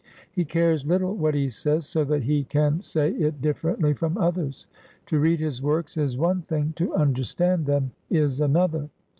He cares little what he says, so that he can say it differently from others. To read his works is one 88 BIOGRAPHY OF thing; to understand them is another.